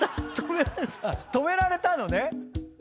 止められたのね？